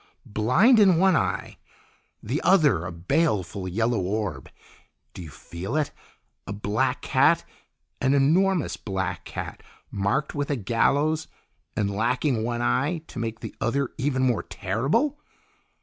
Blind in one eye, the other a baleful yellow orb! Do you feel it? A black cat, an enormous black cat marked with a gallows, and lacking one eye, to make the other even more terrible!